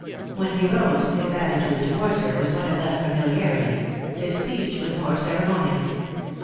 When he rose his attitude towards her was one of less familiarity ; his speech was more ceremonious.